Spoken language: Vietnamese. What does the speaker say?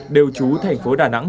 đều trú thành phố đà nẵng